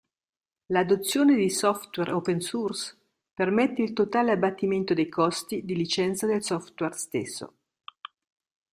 L'adozione di software open source permette il totale abbattimento dei costi di licenza del software stesso.